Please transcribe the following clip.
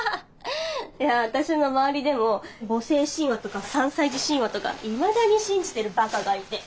いや私の周りでも母性神話とか三歳児神話とかいまだに信じてるバカがいて。